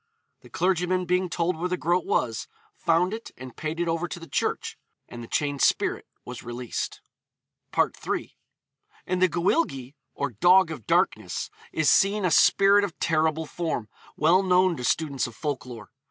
The clergyman being told where the groat was, found it and paid it over to the church, and the chained spirit was released. FOOTNOTE: Jones, 'Apparitions.' III. In the Gwyllgi, or Dog of Darkness, is seen a spirit of terrible form, well known to students of folk lore.